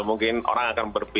mungkin orang akan berpikir